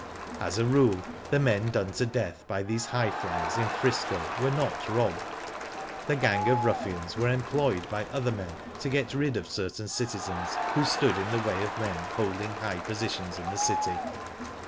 As a rule, the pien done to death by these Highflyers in 'Frisco were not robbed. The gang of ruffians were era ployed by other men to get rid of certain citizens who stood in the way of men holding high positions in the city.